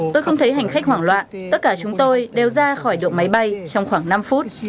tôi không thấy hành khách hoảng loạn tất cả chúng tôi đều ra khỏi độ máy bay trong khoảng năm phút